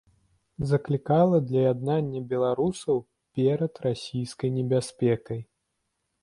Заклікала да яднання беларусаў перад расійскай небяспекай.